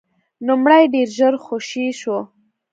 نوموړی ډېر ژر خوشې شو.